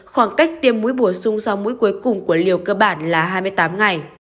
khoảng cách tiêm mũi bổ sung sau mũi cuối cùng của liều cơ bản là hai mươi tám ngày